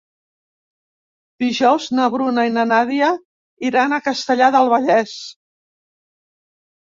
Dijous na Bruna i na Nàdia iran a Castellar del Vallès.